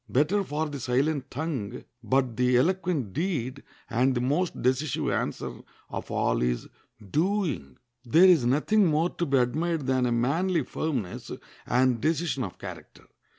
Better far the silent tongue, but the eloquent deed; and the most decisive answer of all is doing. There is nothing more to be admired than a manly firmness and decision of character.